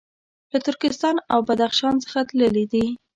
له ترکستان او بدخشان څخه تللي دي.